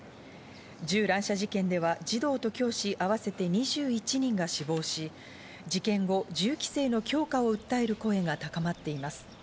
銃乱射事件では児童と教師合わせて２１人が死亡し、事件後、銃規制の強化を訴える声が高まっています。